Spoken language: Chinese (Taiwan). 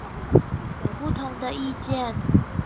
有不同的意見